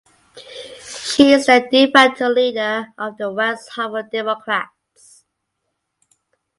She is the de facto leader of the West Hartford Democrats.